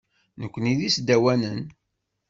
Nukni d isdawanen.